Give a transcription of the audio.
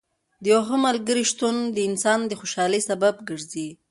د یو ښه ملګري شتون د انسان د خوشحالۍ سبب ګرځي.